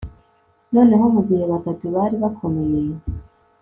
Noneho mugihe Batatu bari bakomeye